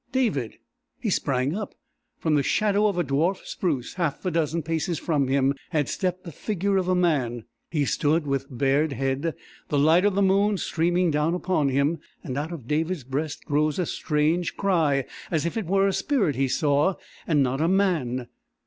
"David!" He sprang up. From the shadow of a dwarf spruce half a dozen paces from him had stepped the figure of a man. He stood with bared head, the light of the moon streaming down upon him, and out of David's breast rose a strange cry, as if it were a spirit he saw, and not a man.